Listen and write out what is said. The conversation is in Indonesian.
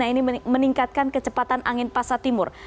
ini meningkatkan kecepatan angin pasat timur